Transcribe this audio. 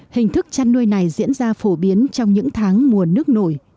hình thức chăn nuôi này diễn ra phổ biến trong những tháng mùa nước nổi